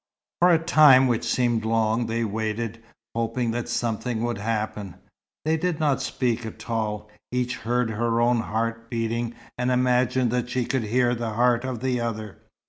For a time which seemed long, they waited, hoping that something would happen. They did not speak at all. Each heard her own heart beating, and imagined that she could hear the heart of the other.